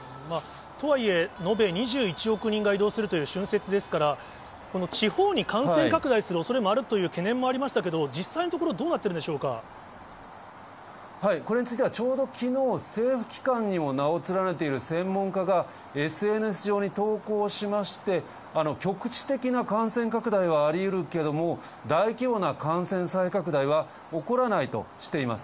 とはいえ、延べ２１億人が移動するという春節ですから、この地方に感染拡大するおそれもあるという懸念もありましたけど、実際のところ、これについては、ちょうど、きのう、政府機関にも名を連ねている専門家がＳＮＳ上に投稿しまして、局地的な感染拡大はありうるけれども、大規模な感染再拡大は起こらないとしています。